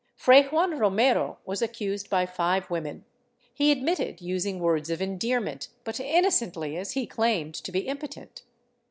Fray Juan Romero was accused by five women ; he admitted using words of endearment, but innocently, as he claimed to be impotent.